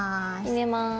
入れます。